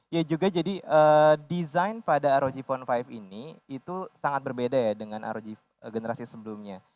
ya juga jadi desain pada rog phone lima ini itu sangat berbeda ya dengan rog generasi sebelumnya